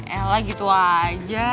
elah gitu aja